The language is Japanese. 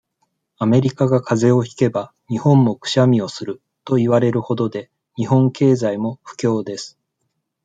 アメリカが風邪をひけば、日本もクシャミをする、といわれる程で、日本経済も不況です。